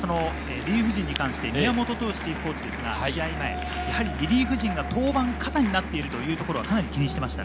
リリーフ陣に関して宮本投手コーチですが、試合前、リリーフ陣が登板過多になっているというところは気にしていました。